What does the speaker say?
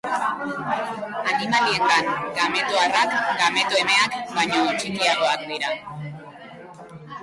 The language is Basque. Animaliengan gameto arrak gameto emeak baino txikiagoak dira.